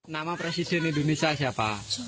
nama presiden indonesia siapa